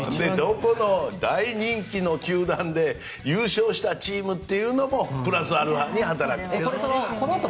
大人気の球団で優勝したチームというのもプラスアルファに働くと。